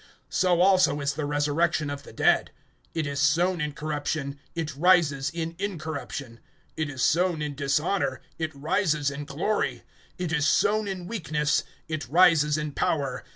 (42)So also is the resurrection of the dead. It is sown in corruption, it rises in incorruption. (43)It is sown in dishonor, it rises in glory. It is sown in weakness, it rises in power.